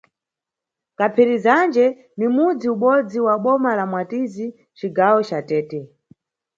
Kaphirizanje ni mudzi ubodzi wa boma la Mwatizi, cigawo ca Tete.